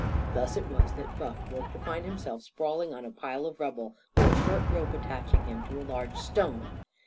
Thus it was that Buff woke to find himself sprawling on a pile of rubble, with a short rope attaching him to a large stone.